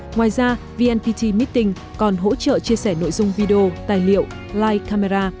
ngoài ra vnpt meeting còn hỗ trợ chia sẻ nội dung video tài liệu live camera